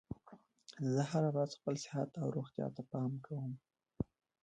زه هره ورځ خپل صحت او روغتیا ته پام کوم